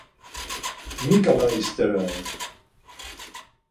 Mi ǩala isterare?